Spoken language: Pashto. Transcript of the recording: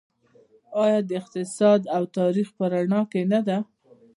آیا د اقتصاد او تاریخ په رڼا کې نه ده؟